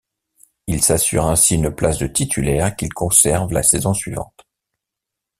Il s'assure ainsi une place de titulaire qu'il conserve la saison suivante.